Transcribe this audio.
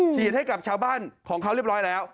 ฉีดให้กับชาวบ้านของเขาเรียบร้อยแล้ว